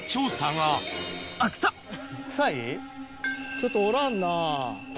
ちょっとおらんな。